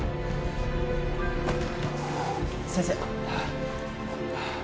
先生。